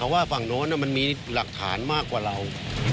ว่าฝั่งโน้นมันมีหลักฐานมากกว่าเรา